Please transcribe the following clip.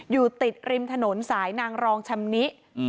อยู่ติดริมถนนสายนางรองชำนิ